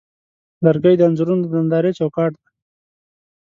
لرګی د انځورونو د نندارې چوکاټ دی.